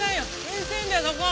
うるせえんだよそこ！